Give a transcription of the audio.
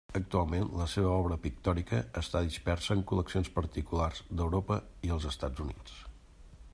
Actualment la seva obra pictòrica està dispersa en col·leccions particulars d'Europa i els Estats Units.